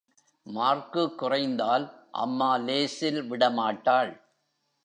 Mark குறைந்தால் அம்மா லேசில் விடமாட்டாள்.